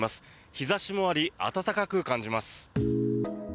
日差しもあり暖かく感じます。